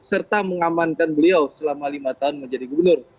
serta mengamankan beliau selama lima tahun menjadi gubernur